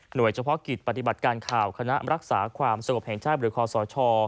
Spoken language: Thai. หน่วยเฉพาะกิจปฏิบัติการข่าวคณะรักษาความสมบัติแห่งชาติบริความสอชอ